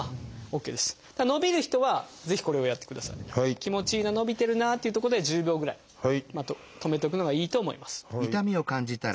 気持ちいいな伸びてるなっていうとこで１０秒ぐらい止めておくのがいいと思います。